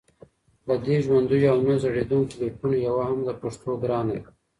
له دې ژوندیو او نه زړېدونکو لیکونو یوه هم د پښتو ګرانه ده